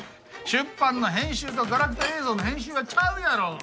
出版の編集とガラクタ映像の編集はちゃうやろ！